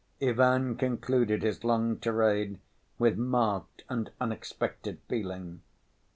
Ivan concluded his long tirade with marked and unexpected feeling.